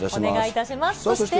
お願いいたします。